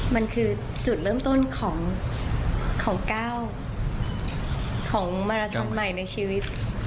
มันคือจุดเริ่มต้นของก้าวของมาราทอนใหม่ในชีวิต